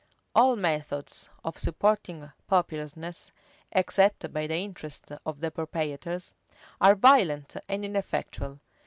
All methods of supporting populousness, except by the interest of the proprietors, are violent and ineffectual.